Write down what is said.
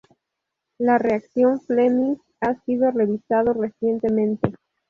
La reacción Fleming ha sido revisado recientemente.